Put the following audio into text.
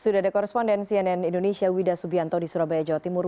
sudah ada koresponden cnn indonesia wida subianto di surabaya jawa timur